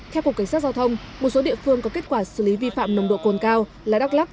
theo cục cảnh sát giao thông một số địa phương có kết quả xử lý vi phạm nồng độ cồn cao là đắk lắc